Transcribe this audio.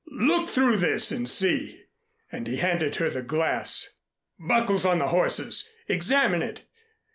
"Look through this and see!" and he handed her the glass. "Buckles on the horses! Examine it!